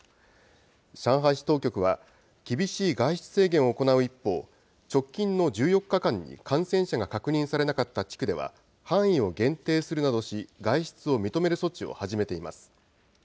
上海市当局は、厳しい外出制限を行う一方、直近の１４日間に感染者が確認されなかった地区では、範囲を限定するなどし、外出を認める措置を始めています。